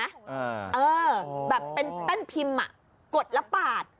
เออแบบเป็นแป้นพิมพ์อ่ะกดแล้วปาด